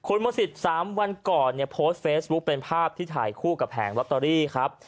คุณมศิษย์๓วันก่อนเนี่ยโพสต์เฟซบุ๊คเป็นภาพที่ถ่ายคู่กับแผงลอตเตอรี่ครับ